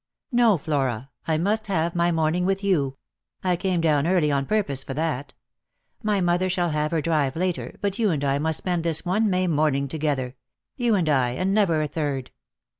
" No, Flora, I must have my morning with you ; 1 came down early on purpose for that. My mother shall have her drive later, but you and I must spend this one May morning together ; you. and I, and never a third.